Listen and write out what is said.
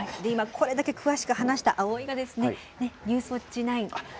今、これだけ詳しく話した青井が「ニュースウオッチ９」